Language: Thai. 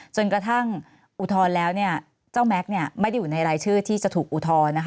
จนกระทั่งอุทธรณ์แล้วเจ้าแม็กซ์ไม่ได้อยู่ในรายชื่อที่จะถูกอุทธรณ์